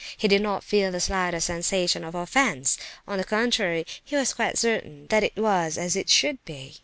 He did not feel the slightest sensation of offence; on the contrary, he was quite certain that it was as it should be.